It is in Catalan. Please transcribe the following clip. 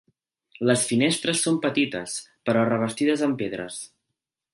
Les finestres són petites però revestides amb pedres.